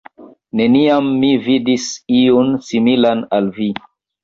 Neniam mi vidis iun, similan al vi.